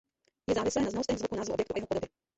Je závislé na znalostech zvuku názvu objektu a jeho podobě.